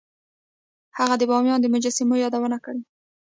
هغه د بامیان د مجسمو یادونه کړې